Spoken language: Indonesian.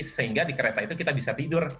sehingga di kereta itu kita bisa tidur